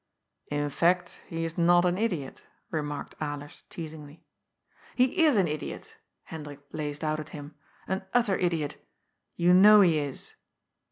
" In fact, he is not an idiot," remarked Alers teasingly. " He is an idiot," Hendrik blazed out at him. " An utter idiot. You know he is."